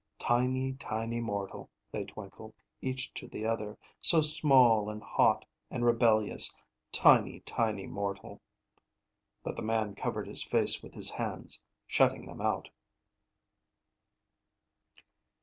"Tiny, tiny mortal," they twinkled, each to the other. "So small and hot, and rebellious. Tiny, tiny, mortal!" But the man covered his face with his hands, shutting them out.